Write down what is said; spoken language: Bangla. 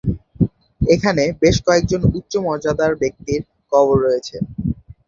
এখানে বেশ কয়েকজন উচ্চ মর্যাদার ব্যক্তির কবর রয়েছে।